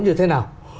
như thế nào